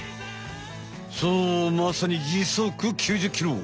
そうまさにじそく９０キロ！